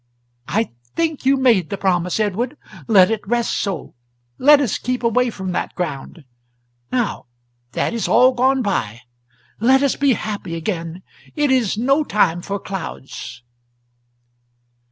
.. I think you made the promise, Edward. Let it rest so. Let us keep away from that ground. Now that is all gone by; let us he happy again; it is no time for clouds."